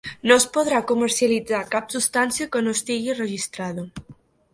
No es podrà comercialitzar cap substància que no estigui registrada.